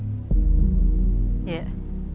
いえ。